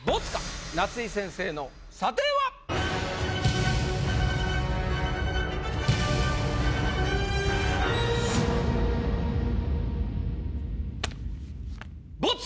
夏井先生の査定は⁉ボツ！